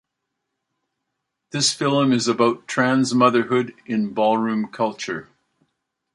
The film is about trans motherhood in ballroom culture.